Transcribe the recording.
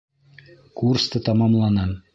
Курсты тамамланым.